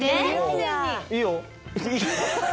いいよ。